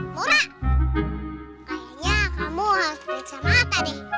maura kayaknya kamu harus beca mata deh